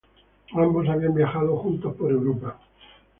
Ambos habían viajado juntos por Europa.